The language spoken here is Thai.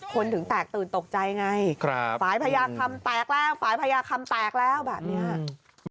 ถึงแตกตื่นตกใจไงครับฝ่ายพญาคำแตกแล้วฝ่ายพญาคำแตกแล้วแบบเนี้ย